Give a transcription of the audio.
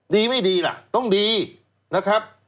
ดีไม่ดีล่ะต้องดีนะครับ